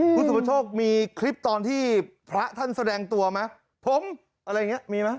อืมพุทธพระโชคมีคลิปตอนที่พระท่านแสดงตัวมะพงอะไรอย่างเงี้ยมีมะ